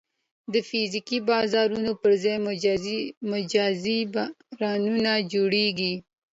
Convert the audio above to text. د فزیکي بازارونو پر ځای مجازي بازارونه جوړېږي.